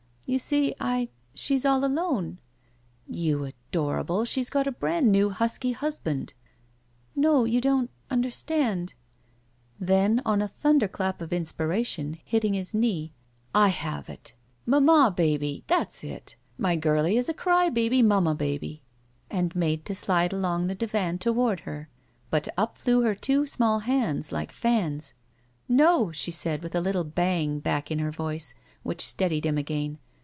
. "Yousee I— She's all alone/' ''You adorable, she's got a brand new husky husband." "No — you don't — understand." Then, on a thtmderclap of inspiration, hitting his knee: *'I have it. Mamma baby! That's it. My girlie is a cry baby, mamma baby!" And made to slide along the divan toward her, but up flew her two small hands, like fans. "No," she said, with the little bang back in her voice which steadied him again.